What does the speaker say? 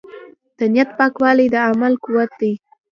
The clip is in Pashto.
د نیت پاکوالی د عمل قوت دی.